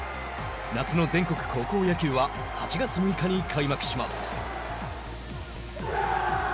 夏の全国高校野球は８月６日に開幕します。